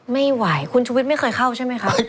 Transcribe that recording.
ไม่ไหวคุณชุวิตไม่เคยเข้าใช่ไหมครับ